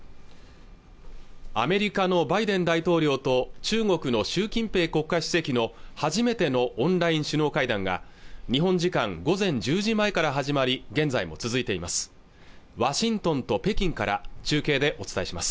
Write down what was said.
アメリカのバイデン大統領と中国の習近平国家主席の初めてのオンライン首脳会談が日本時間午前１０時前から始まり現在も続いています